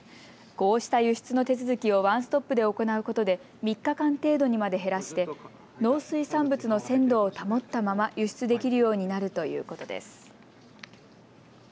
こうした輸出の手続きをワンストップで行うことで３日間程度にまで減らして農水産物の鮮度を保ったまま輸出できるようになるということです。